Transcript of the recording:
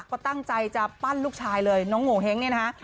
ก็ตั้งใจจะปั้นลูกชายเลยน้องโงเห้งเนี่ยนะฮะ